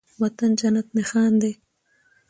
وطن جنت نښان دی